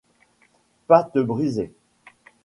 Pâte brisée.